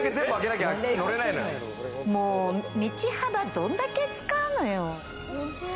もう道幅どんだけ使うのよ。